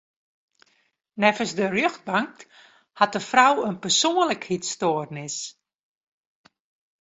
Neffens de rjochtbank hat de frou in persoanlikheidsstoarnis.